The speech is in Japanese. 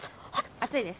熱いです。